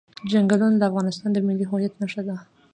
چنګلونه د افغانستان د ملي هویت نښه ده.